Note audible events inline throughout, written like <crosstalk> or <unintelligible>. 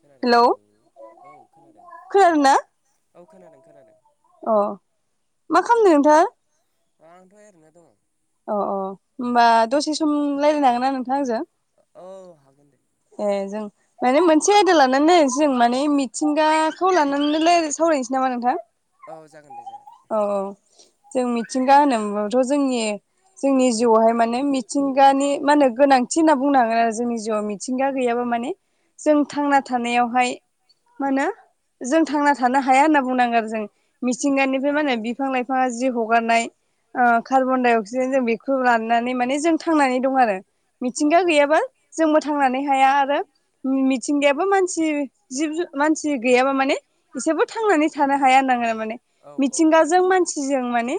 खोनादों hello hello औ खोनादों खोनादों ना औ खोनादों खोनादों अ मा खालामदों नोंथां? आंथ' ओरैनो दङ। अ अ होनोमबा दसे सम रायज्लायनांगोन ना नोंथांआ आंजों? औ हागोन दे। ए जों। माने मोनसे आयदा लानानै नायै जों माने मिथिंगाखौ लानानैलाय सावरायनोसै नामा नोंथां? औ जागोन दे जागोन। औ औ जों मिथिंगा होनोमथ' जोंनि जोंनि जिउआवहाय माने मिथिंगानि मानेमा होनो गोनांथि होनना बुंनांगोन आरो जोंनि जिउआव मिथिंगा गैयाबा माने जों थांना थानायावहाय मा होनो जों थांना थानो हाया होनना बुंनांगोन आरो जों औ मिथिंगानिफ्राय मा औ होनो औ बिफां लाइफां बा जि हगारनाय। ओ कार्बन डाइ अक्सायदेन जों बेखौ लानानै माने जों थांनानै दं आरो। औ मिथिंगा गैयाबा जोंबो थांनानै हाया आरो। मिथिंगायाबो मानसि जिब मानसि गैयाबा माने। बिसोरबो थांनानै थानो हाया होननांगोन माने। औ औ मिथिंगाजों मानसिजों माने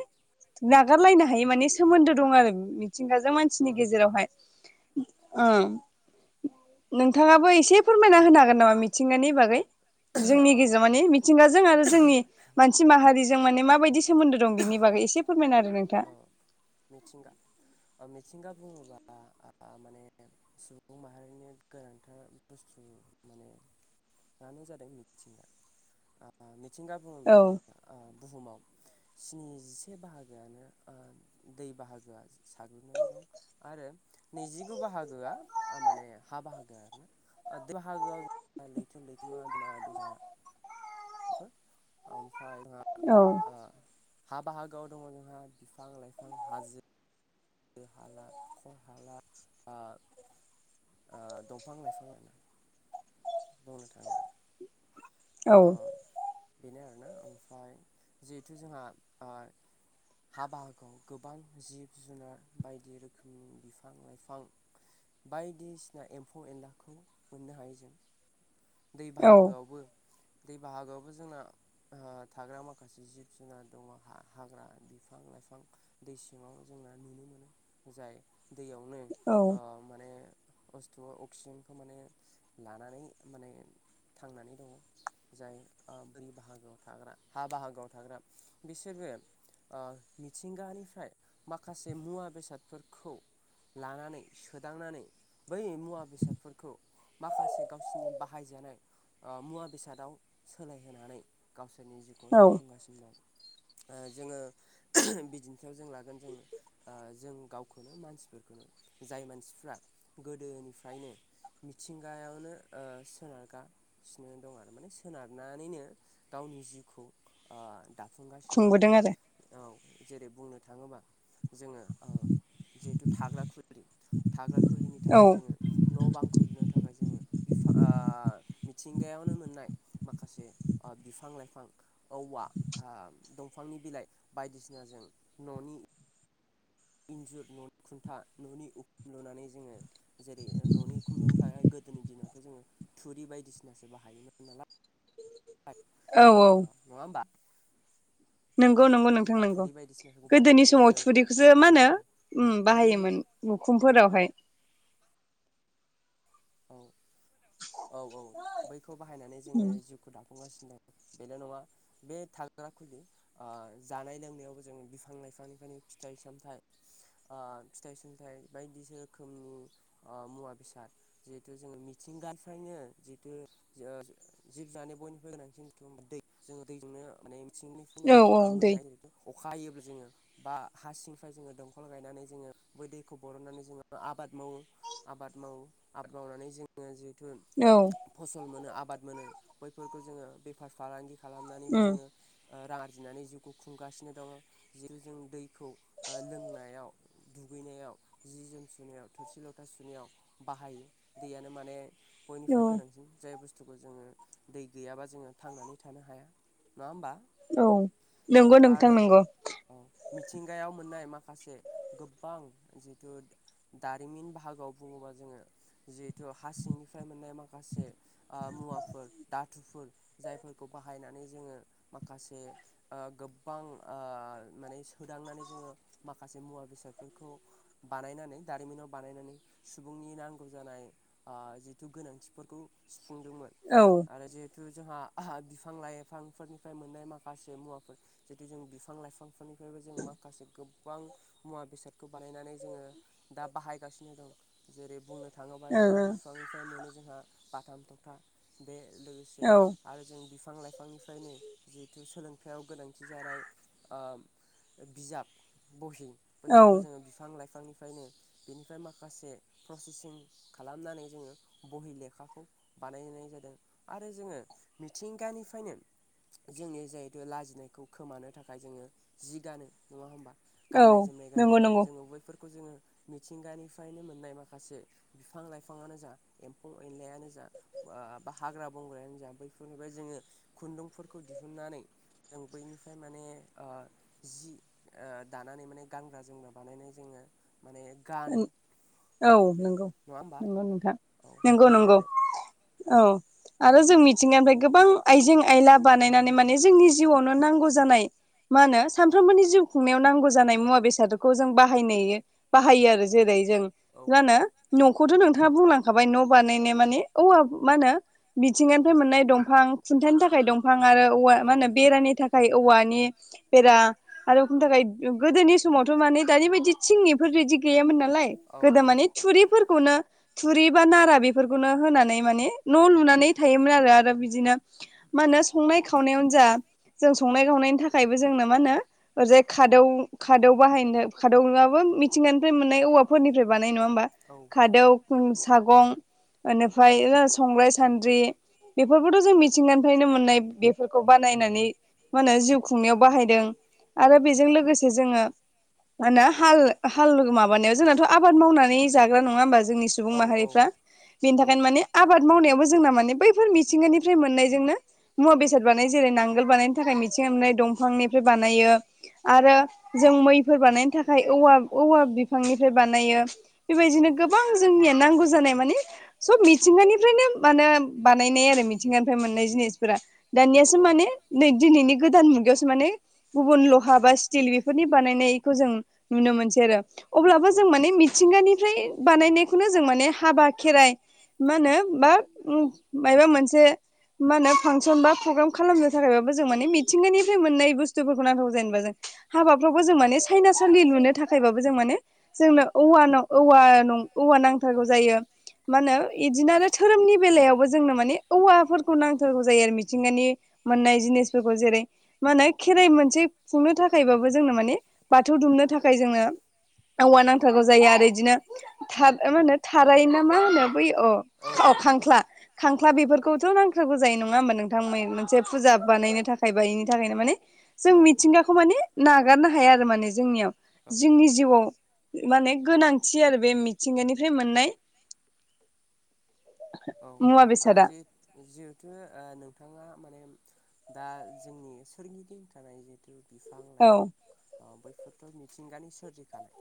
नागारलायनो हायि माने सोमोन्दो दं आरो। मिथिंगाजों मानसिनि गेजेरावहाय ओ नोंथाङाबो एसे फोरमायना होनो हागोन नामा मिथिंगानि बागै? जोंनि औ गेजेराव माने मिथिंगाजों आरो जोंनि मानसि माहारिजों माने माबायदि। सोमोन्दो दं बिनि बागै एसे फोरमायना आरो नोंथांआ। अ मिथिंगा मिथिंगा बुङोबा आं माने। सुबुं माहारिनि गोनांथार बुस्थु माने। आनो जादों मिथिंगा। मिथिंगा बुङोब्ला औ जोङो ओ बुहुमाव स्निजिसे बाहागो यानो दै बाहागोआ साग्लोबनानै दं आरो नैजिगु बाहागोआ माने हा बाहागो आर ना। दाहाग लैथो लैथो मा। दैमा दैसाफोर ओमफ्राय जोंहा औ आं हा बाहागोआव दङ जोंहा बिफां लाइफां हाजो। हो हाला हाखर हाला ओ दंफां लाइफां औ नोंथां औ ओ बेनो आरोना ओमफ्राय जिहेथु जोंहा ओ हा बाहागोआव गोबां जिब जुनार बायदि रोखोमनि बिफां लाइफां बायदिसिना एम्फौ एनलाखौ मोननो हायो जों दै औ बाहागोआवबो दै बाहागोआवबो जोंना। ओ थाग्रा माखासे जिब जुनार दङ' हा-हाग्रा बिफां लाइफां। दै सिङाव जोंना नुनो मोनो जाय दैयावनो औ ओ माने बस्थुआव अक्सिजेनखौ माने। नानानै माने थांनानै दङ'। जाय ओ बोरै बाहागोआव थाग्रा हा बाहागोआव थाग्रा बिसोरबो। ओ मिथिंगानिफ्राय माखासे मुवा बेसादफोरखौ। लानानै सोदांनानै बै मुवा बेसादफोरखौ। माखासे गावसिनि बाहायजानाय ओ मुवा बेसादाव। सोलायहोनानै गावसोरनि जिउखौ औ दाफुंगासिनो दं। ओ जोङो बिदिन्थायाव जों लागोन जोङो। ओ जों गावखौनो मानसिफोरखौनो जाय मानसिफ्रा गोदोनिफ्रायनो। मिथिंगायावनो ओ सोनारगासिनो दं आरो माने। सोनारनानैनो गावनि जिउखौ ओ दाफुंगासिनो दङ'। खुंबोदों आरो औ जेरै बुंनो थाङोबा जोङो ओ जिहेथु थाग्रा खुलि थाग्रा खुलिनि औ थाखाय जोङो न' बांखौ लुनो थाखाय जोङो बिफां ओ मिथिंगायावनो मोननाय माखासे ओ बिफां लाइफां औवा ओ दंफांनि बिलाइ बायदिसिनाजों न'नि इन्जुर न'नि खुन्था न'नि उख लुनानै जोङो जेरै न'नि उखुमजों थानाय गोदोनि दिनावथ' जोङो थुरि बायदिसिनासो बाहायोमोन नाल लाय औ औ ओ नङा होमबा नंगौ नंगौ ओ नोंथां नंगौ थुरि बायदिसिनाखौ गोदोनि बाहायनानै समाव जोङो थुरिखौसो मा होनो ओ उम थुरि बाहायोमोन मुखुमफोरावहाय औ औ औ बैखौ बाहायनानै जोङो जिउखौ दाफुंगासिनो दं बेल' नङा बे थाग्रा खुलि ओ जानाय लोंनायावबो जों बिफां लाइफांनिफ्रायनो फिथाइ सामथाइ ओ फिथाइ सामथाइ बायदि रोखोमनि ओ मुवा बेसाद जिहेतु जोङो मिथिंगानिफ्रायनो जितु जिब जानो बयनिबो गोनांसिन दै जोङो दैजोंनो माने मिथिंनिफ्राय <unintelligible> औ औ बिखोनो मोननो दै हायो जोङो अखा हायोब्ला जोङो बा हा सिंनिफ्राय जोङो दंखल गायनानै जोङो बै दैखौ बरननानै जोङो आबाद मावो आबाद मावो आबाद मावनानै जोङो जिहेथु औ फसल मोनो आबाद मोनो बैफोरखौ जोङो बेफार फालांगि खालामनानैबो उम जोङो ओ रां आर्जिनानै जिउखौ खुंगासिनो दङ' जेर जों दैखौ ओ लोंनायाव दुगैनायाव जि जोम सुनायाव थोरसि लथा सुनायाव बाहायो दैयानो माने औ बयनिखुरै गोनांसिन जाय बुस्थु बुस्थुखौ जोङो दै गैयाबा जोङो थांनानै थानो हाया नङा होमबा औ नंगौ जिथु नोंथां आरो नंगौ औ मिथिंगायाव मोननाय माखासे गोबां जिथु दारिमिन बाहागोआव बुङोबा जोङो जिहेथु हा सिंनिफ्राय मोननाय माखासे मुवाफोर दाथुफोर जायफोरखौ बाहायनानै जोङो माखासे ओ गोबां ओ माने सोदांनानै जोङो माखासे मुवा बेसादफोरखौ बानायनानै दारिमिनाव बानायनानै सुबुंनि नां गौ जानाय ओ जिथु गोनांथिफोरखौ सुफुंदोंमोन। औ आरो जिहेथु जोंहा <unintelligible> बिफां लाइफांफोरनिफ्राय मोननाय माखासे मुवाफोर जितु जों बिफां लाइफांफोरनिफ्रायबो जों माखासे गोबां मुवा बेसादखौ बानायनानै जोङो दा बाहायगासिनो दं जेरै- बुंनो थाङोबा जिहेतु बिफांनिफ्राय मोनो जोंहा बाथाम थकथा बे लोगोसे ओ आरो जों बिफां लाइफांनिफ्रायनो जिहेथु सोलोंथायाइयाव गोनांथि जानाय ओम ओ बिजाब बहि औ बैफोरखौ औ जोङो बिफां लाइफांनिफ्रायनो बेनिफ्राय माखासे प्रसेसिं खालामनानै जोङो बहि लेखाखौ बानायनाय जादों आरो जोङो मिथिंगानिफ्रायनो जोंनि जिहेतु लाजिनायखौ खोमानो थाखाय जोङो जि गानो नङा होमबा औ गाननाय जोमनाय गानो नंगौ नंगौ जोङो बैफोरखौ जोङो मिथिंगानिफ्रायनो मोननाय माखासे बिफां लाइफाङानो जा एम्फौ एनलायानो जा बा हाग्रा बंग्रायानो जा बैफोरनिफ्राय जोङो खुन्दुंफोरखौ दिहुननानै जों बैनिफ्राय माने ओ जि ओ दानानै माने गानग्रा जोमग्रा बानायनाय जोङो माने गानो ओं औ नों औ नङा होमबा नंगौ नोंथां औ नंगौ बेनो नंगौ आरो औ आरो जों मिथिंगानिफ्राय गोबां आइजें आयला बानायनानै माने जोंनि जिउआवनो नांगौ जानाय मा होनो सानफ्रोमबोनि जिउ खुंनायाव नांगौ जानाय मुवा बेसादखौ जों बाहायनायो बाहायो आरो जेरै- जों औ जानो न'खौथ' नोंथाङा बुंलांखाबाय न' बानायनाया माने औवा मा होनो मिथिंगानिफ्राय मोननाय दंफां खुन्थानि थाखाय दंफां आरो औवा औ मा होनो औ बेरानि था खाय औवानि बेरा आरो उखुमनि थाखाय गोदोनि समावथ' माने दानि बायदि थिंनि एफोर बायदि गैयामोन नालाय औ गोदो औ माने थुरिफोरखौनो थुरि बा नारा बेफोरखौनो होनानै माने न' लुनानै थायोमोन आरो आरो बिदिनो मा होनो संनाय खावनायावनो जा जों संनाय खावनायनि थाखायबो जोंनो मा होनो ओरैजाय खादौ खादौ बाहायनो खादौआबो मिथिंगानि फ्राय मोननाय औवाफोरनिफ्राय बानायनाय नङा होमबा खादौ सागं ओनिफ्रायो संग्राय सान्द्रि बेफोरखौथ' जों मिथिंगानिफ्रायनो मोननाय बेफोरखौ बानायनानै मा होनो जिउ खुंनायाव बाहायदों आरो बेजों लोगोसे जोङो मा होनो हाल ओ हाल माबानायाव जोंनाथ' आबाद मावनानै जाग्रा नङा होमबा जोंनि सुबुं माहारिफ्रा बेनि थाखायनो माने आबाद मावनायावबो जोंना माने बैफोर मिथिंगानिफ्राय मोननायजोंनो मुवा बेसाद बानाय जेरै- नांगोल बानायनो थाखाय मिथिंगायाव मोननाय दंफांनिफ्राय बानायो आरो जों मैफोर बानायनो थाखाय औवा औवा बिफांनिफ्राय बानायो जोंनिया नांगौ जानाय बेबायदिनो गोबां जोंनिया नांगौ जानाय मानि थेवब्लाबो जों सब मि थिंगानिफ्रायनो माने बानायनाय आरो मिथिंगानिफ्राय मोननाय जिनिसफोरा दानियासो माने नै दिनैनि गोदान मुगायावसो माने गुबुन लहा बा स्टिल बेफोरनि बानायनायखौ जों नुनो मोनसै आरो अब्लाबो जों माने मि थिंगानिफ्राय बानायनायखौनो जों माने हाबा खेराइ मा होनो बा मायबा मोनसे मा होनो फांसन बा प्रग्राम खालामनो थाखायबाबो जों माने मिथिंगानिफ्राय मोननाय बुस्थुफोरखौ नांथारगौ जेनबा जों हाबाफ्रावबो जों माने सायनासालि लुनो था खायबाबो जों माने जोंनो औवा न औवा न औवा नांथारगौ जायो। मा होनो इदिनो आरो धोरोमनि बेलायावबो जोंनो माने औवाफोरखौ नांथारगौ जायो आरो मिथिंगानि मोननाय जिनिसफोरखौ जेरै- मा होनो खेराइ मोनसे खुंनो थाखायबाबो जोंनो माने बाथौ दुमनो थाखाय जोंनो औ औवा नांगौ थागौ जायो आरो बिदिनो था मा होनो थाराय ना मा होनो बैयो अ औ अ खांख्ला खांख्ला बेफोरखौथ' नांथारगौ जायो नङा होमबा नोंथांमोन मोनसे फुजा बानायनो थाखाय बा बेनि थाखायनो माने जों औ मिथिंगाखौ माने नागारनो हाया आरो माने जोंनियाव औ जोंनि जिउआव माने गोनांथि आरो बे मिथिंगानिफ्राय मोननाय औ मुवा आ बेसादा जे जिहेथु ओ नोंथाङा माने दा जोंनि सोरगिदिं थानाय जि बिफां औ लाइफां बैफोरथ' मिथिंगानि सोरजिखानाय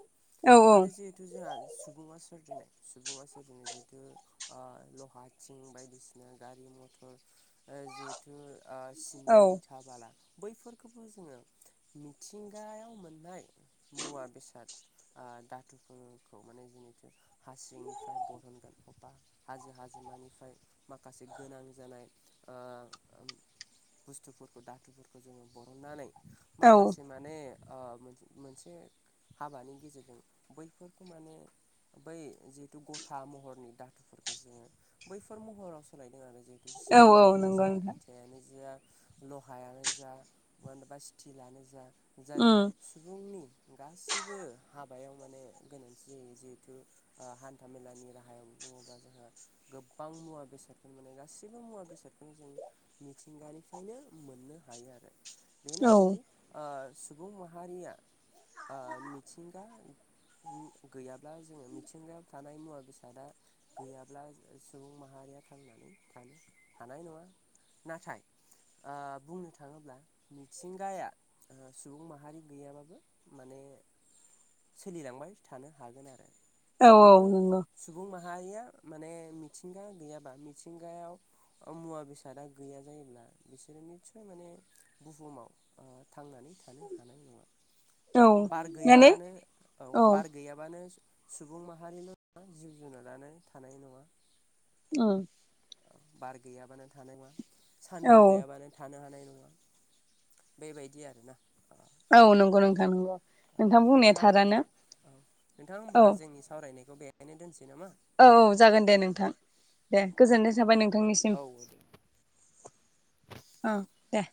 औ आरो जि जोंहा सुबुङा सोरजिनाय सुबुा सोरजिनाय जिहेथु फाथिं बायदिसिना गारि मथर जिहेथु औ औ सिमेन्ट इथा बाला बैफोरखौबो जोङो मिथिंगायाव मोननाय मुवा बेसाद ओ दाथुफोरखौ माने जेखु हांनिफ्राय बरहनगोन अबबा हाजो हाजो हाजोमानिफ्राय माखासे गोनां जानाय बुस्थुफोरखौ दाथुफोरखौ जोङो बरननानै औ माखासे माने ओ मोनसे हाबानि गेजेरजों बैफोरखौ माने बै जिहेथु गथा महरनि दाथुफोरखौ जोङो बैफोर महराव सोलायदों आरो जिहेतु औ औ सिमेन्टानो नंगौ जा नोंथां इथायानो जा लहायानो जा मबा स्टिलानो जा जाय उम सुबुंनि गासैबो हाबायाव माने गोनांथि जायो जिहेथ ओ हान्था मेलानि राहायाव बुङोबा जोंहा गोबां मुवा बेसादखौ माने गाैबो मुवा बेसादखौनो जों मिथिंगानिफ्रायनो मोननो हायो आरो बेनो औ आरोदि ओ सुबुं माहारिया ओ मिथिंगा गैयाब्ला जोङो मिथिंगायाव थानाय मुवा बेसादा गैयाब्ला सुबुं माहारिया थांनानै थानो हानाय नङा नाथाय ओ बुंनो थाङोब्ला मिथिंगाया सुबुं माहारि गैयाब्लाबो माने सोलिलांबाय थानो हागोन आरो। औ खिन्थु नंगौ सुबुं माहारिया माने मिथिंगा गैयाबा मिथिंगायाव मुवा बेसादा गैया जायोब्ला बिसोरो निससय माने बुहुमाव थांनानै थानो हानाय नङा औ बार माने गैयाबानो औ बार गैयाबानो सुबुं माहारिल' नङ जिब जुनारानो थानाय नङा। औ। औ बार गैयाबानो थानाय नङा सान्दुं औ गैयाबानो थानो हानाय नङा बेबायदि आरोना। ओ औ नंगौ नोंथां नंगौ। बुंनाया नोंथां थारानो औ नोंथां हबा औ जोंनि सावरायनायखौ बेहायनो दोनसै नामा औ औ जागोन दे नोंथां दे गोजोननाय थाबाय नोंथांनिसिम। औ दे औ दे